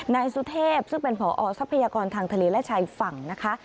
นายสุเทพซึ่งเป็นผอทรัพยากรทางทะเลและชายฝั่งนะคะ